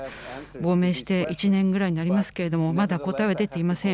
亡命して１年ぐらいになりますけれども、まだ答えは出ていません。